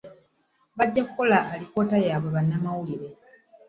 Bajja kukola alipoota bagiwe bannamawulire.